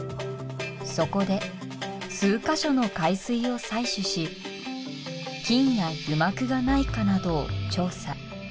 そこで数か所の海水を採取し菌や油膜がないかなどを調査。